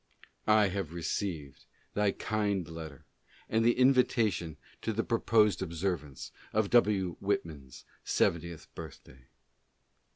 I have received thy kind letter and the invitation to the pro posed observance ofW. Whitman's seventieth birthday.